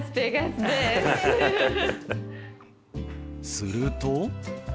すると。